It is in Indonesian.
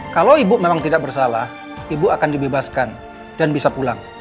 kalau ibu memang tidak bersalah ibu akan dibebaskan dan bisa pulang